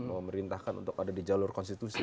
mau merintahkan untuk ada di jalur konstitusi